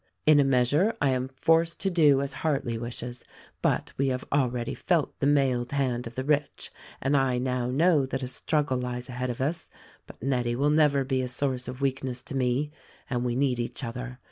In a measure I am forced to do as Hart leigh wishes ; but we have already felt the mailed hand of the rich, and I now know that a struggle lies ahead of us — but Nettie will never be a source of weakness to me, and we need each other.